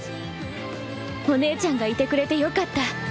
お姉ちゃんがいてくれてよかった